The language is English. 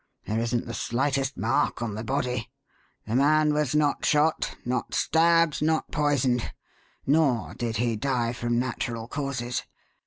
There isn't the slightest mark on the body. The man was not shot, not stabbed, not poisoned, nor did he die from natural causes.